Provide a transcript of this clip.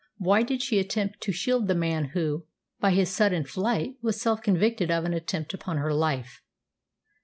Why did she attempt to shield the man who, by his sudden flight, was self convicted of an attempt upon her life?